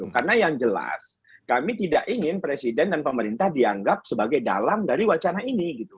karena yang jelas kami tidak ingin presiden dan pemerintah dianggap sebagai dalam dari wacana ini